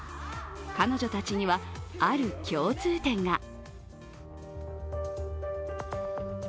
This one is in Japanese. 彼女たちには、ある共通点が。